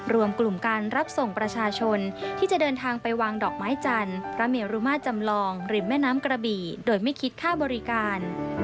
รวมกลุ่มการรับส่งประชาชนที่จะเดินทางไปวางดอกไม้จันทร์พระเมรุมาจำลองริมแม่น้ำกระบี่โดยไม่คิดค่าบริการ